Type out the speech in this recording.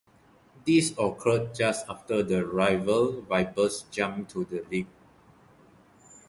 This occurred just after the rival Vipers jumped to the league.